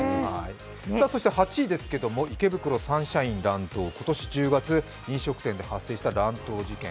そして８位ですが池袋サンシャイン乱闘、今年１０月、飲食店で発生した乱闘事件。